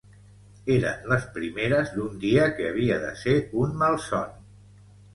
Eren les primeres d’un dia que havia de ser un malson.